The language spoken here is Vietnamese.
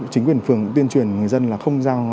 chính quyền phường cũng tuyên truyền người dân là không giao